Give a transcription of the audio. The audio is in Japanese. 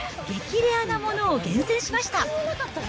レアなものを厳選しました。